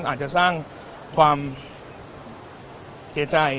อาจจะสร้างความเสียใจ